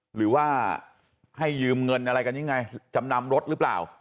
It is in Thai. หรือว่าให้ยืมเงินอะไรกันยังไงจำนำรถหรือเปล่า